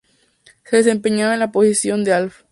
Se desempeñaba en la posición de "half".